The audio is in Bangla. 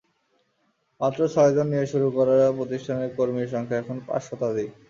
মাত্র ছয়জন নিয়ে শুরু করা প্রতিষ্ঠানের কর্মীর সংখ্যা এখন পাঁচ শতাধিক।